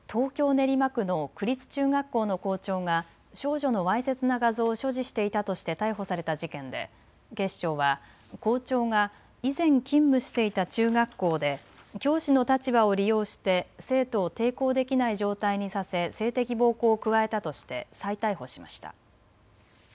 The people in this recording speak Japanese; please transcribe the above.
練馬区の区立中学校の校長が少女のわいせつな画像を所持していたとして逮捕された事件で警視庁は校長が以前勤務していた中学校で教師の立場を利用して生徒を抵抗できない状態にさせ性的暴行を加えたとして再逮捕しました。